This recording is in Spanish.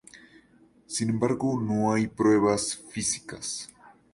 Sin embargo no hay pruebas físicas.